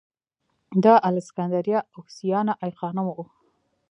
د الکسندریه اوکسیانا ای خانم و